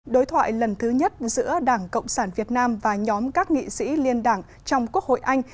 đối thoại lần thứ nhất giữa đảng cộng sản việt nam và nhóm các nghị sĩ liên đảng trong quốc hội anh